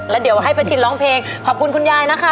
แล้วเดี๋ยวให้ป้าชินร้องเพลงขอบคุณคุณยายนะคะ